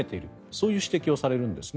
そういう指摘をされるんです。